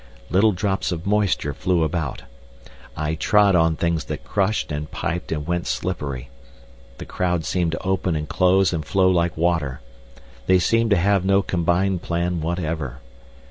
Little drops of moisture flew about. I trod on things that crushed and piped and went slippery. The crowd seemed to open and close and flow like water. They seemed to have no combined plan whatever.